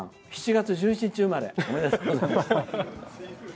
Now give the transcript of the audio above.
７月１１日生まれ。